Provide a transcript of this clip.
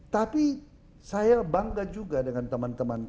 tapi saya bangga juga dengan teman teman